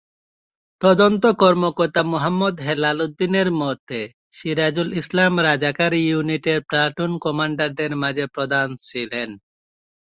তদন্ত কর্মকর্তা মোহাম্মদ হেলাল উদ্দিনের মতে, সিরাজুল ইসলাম রাজাকার ইউনিটের প্লাটুন কমান্ডারদের মাঝে প্রধান ছিলেন।